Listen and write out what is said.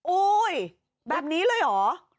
โอ๊ยแบบนี้เลยเหรอ